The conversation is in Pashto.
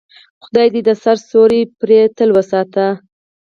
خدای دې د سر سیوری پرې تل وساتي.